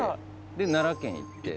で奈良県行って。